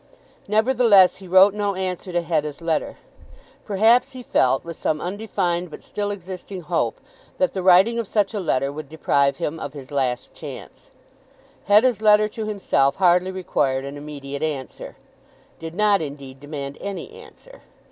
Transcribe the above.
Nevertheless he wrote no answer to Hetta's letter. Perhaps he felt, with some undefined but still existing hope, that the writing of such a letter would deprive him of his last chance. Hetta's letter to himself hardly required an immediate answer, did not, indeed, demand any answer.